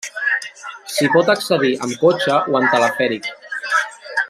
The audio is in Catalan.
S'hi pot accedir amb cotxe o en telefèric.